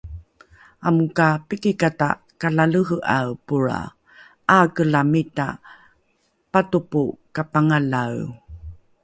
Amo ka pikikata kalalehe'ae polra, 'aakelamita patopo kapangalae